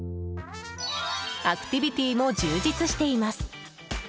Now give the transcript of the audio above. アクティビティーも充実しています。